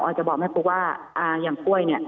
จะบอกแม่ปุ๊กว่าอย่างกล้วยเนี่ย